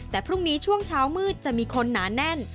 แต่พรุ่งนี้ช่วงเช้ามืดจะมีคนหนาแน่น